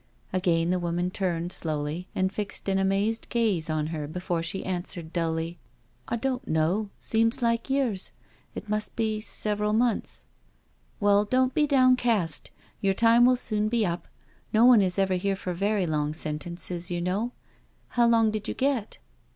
Again the woman turned slowly and fixed an amazed gaze on her before she answered dully :" I don't know— seems like years— it must be several months." " Well, don't be downcast. Your time will soon b^ up— no ouQ is ever here for very long sentences, you know. How long did you get?'